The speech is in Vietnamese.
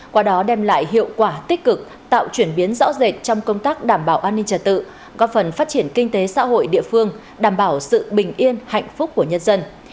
qua đó đem lại hiệu quả tích cực tạo chuyển biến rõ rệt trong công tác đảm bảo an ninh trật tự góp phần phát triển kinh tế xã hội địa phương đảm bảo sự bình yên hạnh phúc của nhân dân